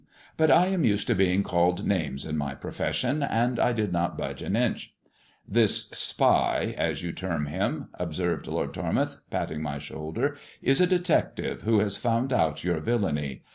■•. THE JESUIT AND THE MEXICAN COIN 303 am used to being called names in my profession, and I did not budge an inch. " This spy, as you term him," observed Lord Tormouth, patting my shoulder, "is a detective who has found out your villainy.